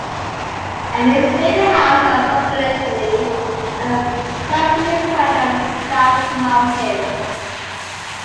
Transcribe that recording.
Ames built a house on approximately on the southeast side of South Mountain.